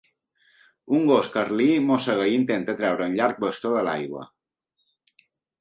Un gos carlí mossega i intenta treure un llarg bastó de l'aigua.